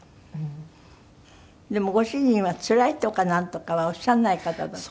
でもご主人は「つらい」とかなんとかはおっしゃらない方だった？